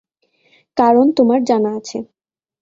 কারণ তোমার জানা আছে।